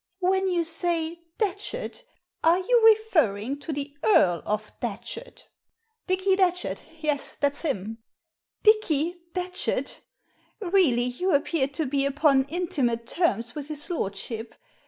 " When you say * Datchet,' are you referring to the Earlof Datchet?" Dicky Datchet ; yts, thaf s him." "'Dicky Datchet M Really, you appear to be upon intimate terms with his lordship.